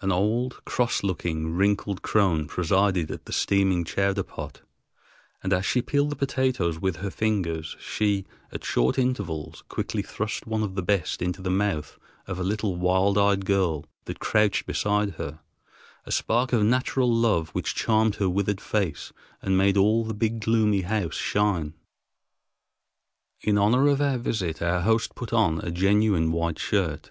An old, cross looking, wrinkled crone presided at the steaming chowder pot, and as she peeled the potatoes with her fingers she, at short intervals, quickly thrust one of the best into the mouth of a little wild eyed girl that crouched beside her, a spark of natural love which charmed her withered face and made all the big gloomy house shine. In honor of our visit, our host put on a genuine white shirt.